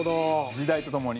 時代とともに。